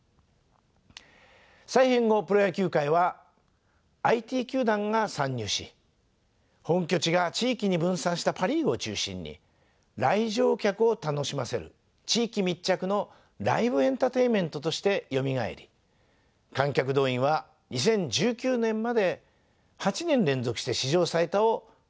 再編後プロ野球界はＩＴ球団が参入し本拠地が地域に分散したパ・リーグを中心に来場客を楽しませる地域密着のライブエンターテインメントとしてよみがえり観客動員は２０１９年まで８年連続して史上最多を更新し続けました。